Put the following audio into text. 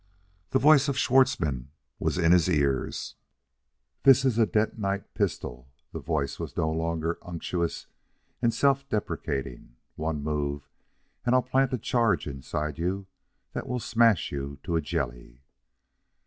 The voice of Schwartzmann was in his ears. "This is a detonite pistol" that voice was no longer unctuous and self deprecating "one move and I'll plant a charge inside you that will smash you to a jelly!"